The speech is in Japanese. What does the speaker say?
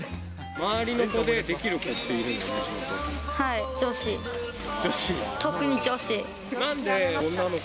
周りの子でできる子っているはい、女子。